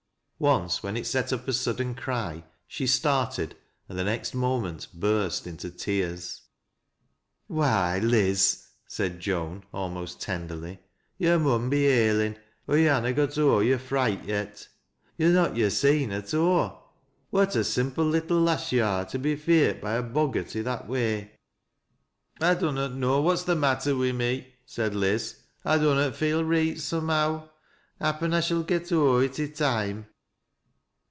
Once, when it set up a sudden cry, she started, and the next moment burst into tears. " Why, Liz !" said Joan, almost tenderly. " Yo' mun be ailin', or yo' hannot getten o'er yo're fi ight yet. To're not yoresen at aw. What a simple little lass yo' are to be feart by a boggart i' that way." " I dunnot Imow what's the matter wi' me," said Liz, "I dunnot feel reet, somehow. Happen I shall get o'er it i' toime."